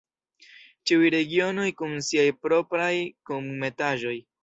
Ĉiuj regionoj kun siaj propraj kunmetaĵoj!